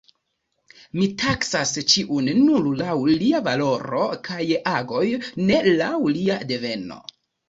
Mi taksas ĉiun nur laŭ lia valoro kaj agoj, ne laŭ lia deveno.